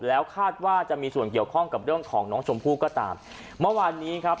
แล้วคาดว่าจะมีส่วนเกี่ยวข้องกับเรื่องของน้องชมพู่ก็ตามเมื่อวานนี้ครับ